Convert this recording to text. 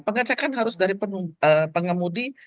pengecekan harus dari pengemudi